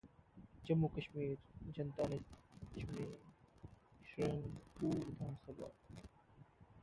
जम्मू-कश्मीर: जनता ने चुनी त्रिशंकु विधानसभा